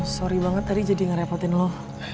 sorry banget tadi jadi ngerepotin loh